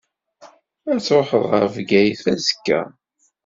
Ad tṛuḥeḍ ɣer Bgayet azekka?